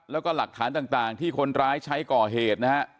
แล้วก็หลักฐานต่างที่คนร้ายใช้ก่อเหตุนะฮะ